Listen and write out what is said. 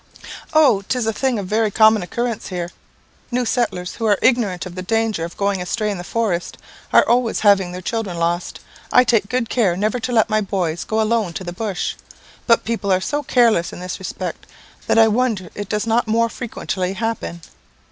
"Oh, 'tis a thing of very common occurrence here. New settlers, who are ignorant of the danger of going astray in the forest, are always having their children lost. I take good care never to let my boys go alone to the bush. But people are so careless in this respect, that I wonder it does not more frequently happen.